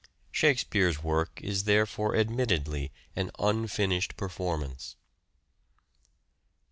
Shakespeare's work is therefore admittedly an unfinished performance.